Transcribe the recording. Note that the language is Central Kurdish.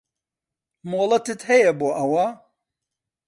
مۆڵەتت هەیە بۆ ئەوە؟